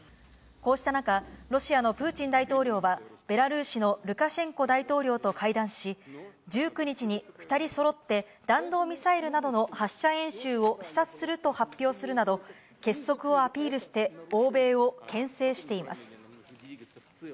こうした中、ロシアのプーチン大統領はベラルーシのルカシェンコ大統領と会談し、１９日に２人そろって弾道ミサイルなどの発射演習を視察すると発表するなど、結束をアピールして、欧米をけん制しています。